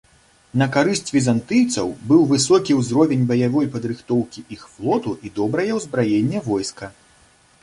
На карысць візантыйцаў быў высокі ўзровень баявой падрыхтоўкі іх флоту і добрае ўзбраенне войска.